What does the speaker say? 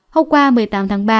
hôm qua một mươi tám tháng ba